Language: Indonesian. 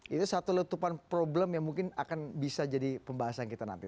itu satu letupan problem yang mungkin akan bisa jadi pembahasan kita nanti